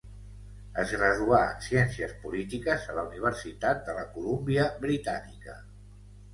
Es graduà en Ciències Polítiques a la Universitat de la Colúmbia Britànica.